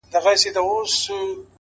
o هغې ليونۍ بيا د غاړي هار مات کړی دی ـ